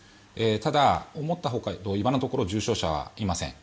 ただ、思ったほか今のところ重症者はいません。